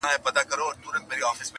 ستا د کتاب د ښوونځیو وطن!!